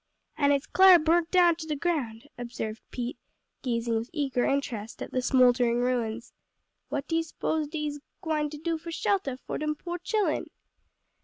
"An' it's clar burnt down to de ground," observed Pete, gazing with eager interest at the smouldering ruins. "What you s'pose dey's gwine to do for sheltah for dem po' chillen?"